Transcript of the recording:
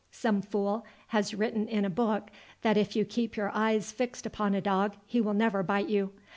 Some fool has written in a book that if you keep your eyes fixed upon a dog he will never bite you.